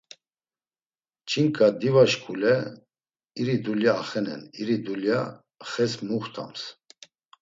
Ç̌inǩa diva şkule iri dulya axenen iri dulya xes muxtams.